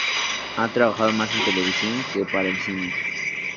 Ha trabajado más en televisión que para el cine.